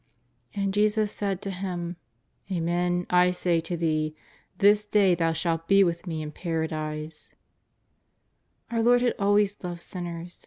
And Jesus said to him: ''Amen, I say to thee, this day thou shalt he with Me in Paradise/' Our Lord had always loved sinners.